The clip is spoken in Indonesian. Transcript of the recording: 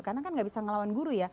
karena kan gak bisa ngelawan guru ya